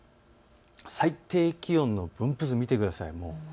最低気温の分布図、見てください。